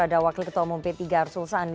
ada wakil ketua umum p tiga arsul sani